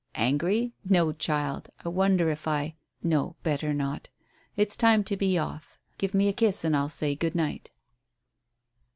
"Angry? No, child. I wonder if I no, better not. It's time to be off. Give me a kiss, and I'll say good night."